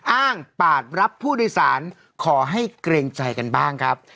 อ้างปาดรับผู้โดยสารขอให้เกรงใจกันบ้างครับ